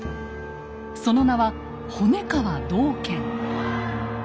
その名は骨皮道賢。